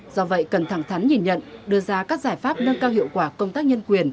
do vậy cần thẳng thắn nhìn nhận đưa ra các giải pháp nâng cao hiệu quả công tác nhân quyền